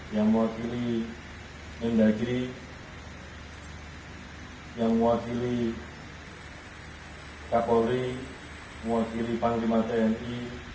yang mewakili mendagri yang mewakili kapolri mewakili panglima tni